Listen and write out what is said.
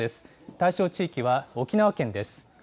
対象地域は沖縄県です。